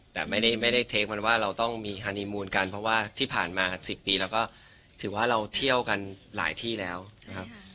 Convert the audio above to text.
แต่ไม่ได้เทคมันว่าเราต้องมีฮานีมูลกันเพราะว่าที่ผ่านมา๑๐ปีแล้วก็ถือว่าเราเที่ยวกันหลายที่แล้วนะครับ